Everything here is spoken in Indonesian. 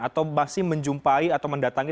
atau masih menjumpai atau mendatangi